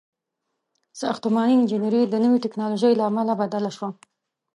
• ساختماني انجینري د نوې ټیکنالوژۍ له امله بدله شوه.